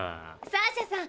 サーシャさん